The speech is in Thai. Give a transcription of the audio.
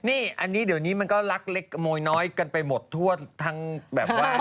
นี่อันนี้เดี๋ยวนี้มันก็ลักเล็กขโมยน้อยกันไปหมดทั่วทั้งแบบว่า